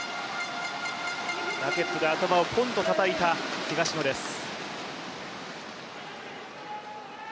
ラケットで頭をポンとたたいた東野です。